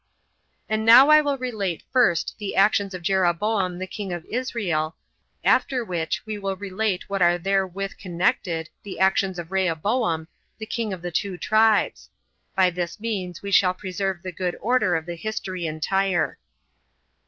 And now I will relate first the actions of Jeroboam the king of Israel, after which we will relate what are therewith connected, the actions of Rehoboam, the king of the two tribes; by this means we shall preserve the good order of the history entire.